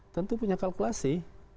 tentu punya kalkulasi